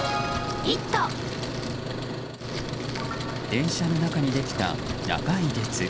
電車の中にできた長い列。